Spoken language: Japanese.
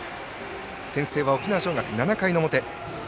先制は沖縄尚学、７回の表。